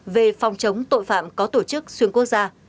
về phòng chống tội phạm có tổ chức xuyên quốc gia